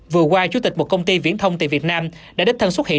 vừa qua chủ tịch một công ty viễn thông tại việt nam đã đích thân xuất hiện